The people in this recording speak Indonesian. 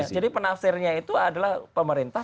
jadi penafsirnya itu adalah pemerintah